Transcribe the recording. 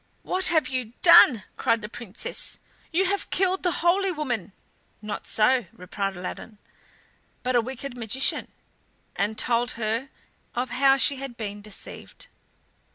"What have you done?" cried the Princess. "You have killed the holy woman!" "Not so," replied Aladdin, "but a wicked magician," and told her of how she had been deceived.